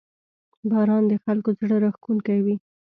• باران د خلکو زړه راښکونکی وي.